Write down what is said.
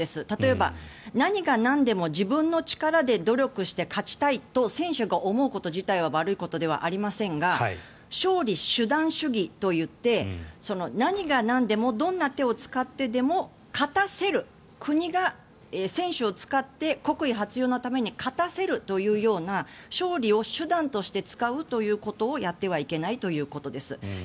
例えば、何がなんでも自分の力で努力して勝ちたいと選手が思うこと自体は悪いことではありませんが勝利手段主義といって何がなんでもどんな手を使ってでも勝たせる国が選手を使って国威発揚のために勝たせるというような勝利を手段として使うということをやってはいけないということです。